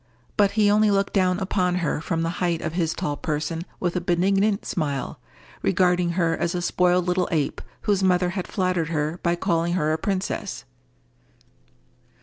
But he only looked down upon her from the height of his tall person with a benignant smile, regarding her as a spoiled little ape whose mother had flattered her by calling her a princess.